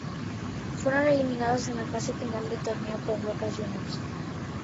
Fueron eliminados en la fase final del torneo por Boca Juniors.